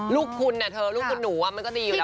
ลูกคุณเธอลูกคุณหนูมันก็ดีอยู่แล้ว